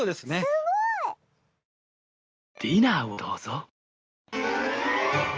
すごい！ディナーをどうぞ。